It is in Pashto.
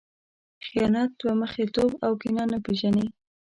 خیانت، دوه مخی توب او کینه نه پېژني.